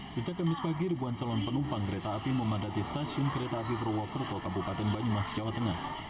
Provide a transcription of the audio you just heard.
sejak kamis pagi ribuan calon penumpang kereta api memadati stasiun kereta api purwokerto kabupaten banyumas jawa tengah